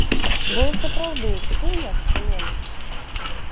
Бо і сапраўды, чуў я што-небудзь?